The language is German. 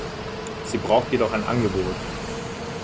Sie braucht jedoch ein Angebot.